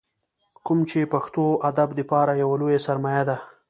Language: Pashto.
کوم چې پښتو ادب دپاره يوه لويه سرمايه ده ۔